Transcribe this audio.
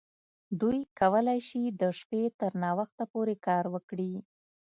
دوی کولی شي د شپې تر ناوخته پورې کار وکړي